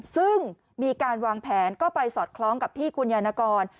ซึ่งมีการวางแผนก็ไปสอดคล้องกับที่คุณยายนกร